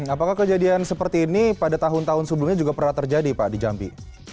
apakah kejadian seperti ini pada tahun tahun sebelumnya juga pernah terjadi pak di jambi